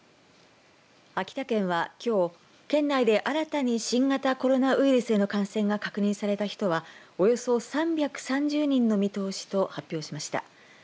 秋田県は、きょう県内で新たに新型コロナウイルスへの感染が確認された人はおよそ３３０人の見通しと発表しました。